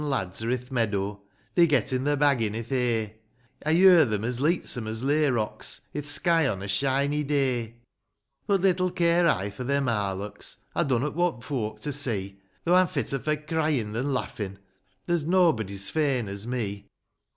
Th' lasses an' lads are i'th meadow ; They're gettin' their baggin'^ i'th hay ; I yer 'em as leetsome as layrocks,^ I'th sky on a shiny day ; But, little care I for their raarlocks ; 1 dunnot want folk to see, Though I'm fitter for cryin' than laughin', There's nob'dy as fain as me.